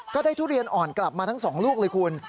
ทุเรียนอ่อนกลับมาทั้ง๒ลูกเลยคุณ